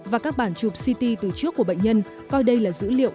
và các bản chụp ct từ trước của bệnh nhân coi đây là dữ liệu